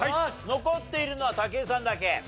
残っているのは武井さんだけ。